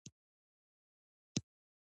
د افغانستان طبیعت له جواهرات څخه جوړ شوی دی.